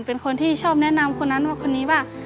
เป็นคนที่ชอบแนะนำคนนั้นว่าคนนี้ว่า